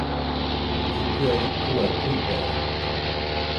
Llɨkɨaɨ icuaɨ kuidori